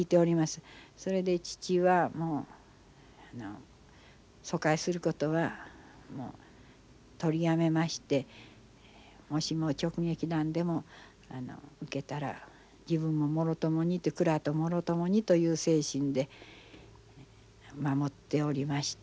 それで父は疎開することは取りやめましてもしも直撃弾でも受けたら自分ももろともに蔵ともろともにという精神で守っておりました。